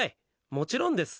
もちろんです！